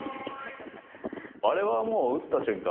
あれはもう打った瞬間